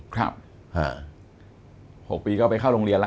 ๖ปีก็ไปเข้าโรงเรียนแล้ว